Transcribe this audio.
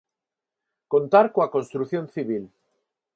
Contar coa construción civil.